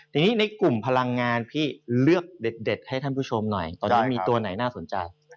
ทีนี้ในกลุ่มพลังงานพี่เลือกเด็ดให้ท่านผู้ชมหน่อยตอนนี้มีตัวไหนน่าสนใจ